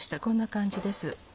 こんな感じです。